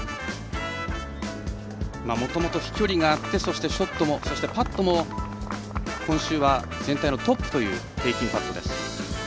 もともと飛距離があってそしてショットもそしてパットも今週は全体のトップという平均パットです。